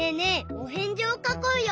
おへんじをかこうよ！